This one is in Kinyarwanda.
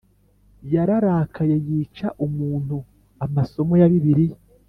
Yararakaye yica umuntu Amasomo ya Bibiliya